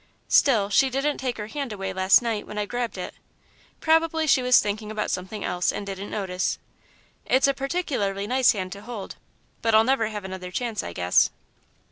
"Still she didn't take her hand away last night, when I grabbed it. Probably she was thinking about something else, and didn't notice. It's a particularly nice hand to hold, but I'll never have another chance, I guess.